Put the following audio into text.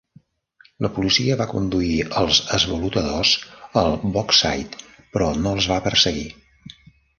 La policia va conduir els esvalotadors al Bogside, però no els va perseguir.